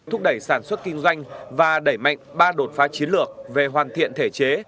thúc đẩy sản xuất kinh doanh và đẩy mạnh ba đột phá chiến lược về hoàn thiện thể chế